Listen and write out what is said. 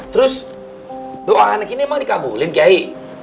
terus doa anak ini memang dikabulin kiai